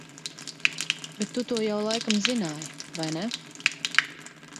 Bet tu to jau laikam zināji vai ne?